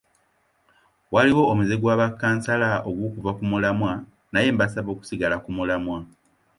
Waliwo omuze gwa bakkansala ogw'okuva ku mulamwa naye mbasaba okusigala ku mulamwa.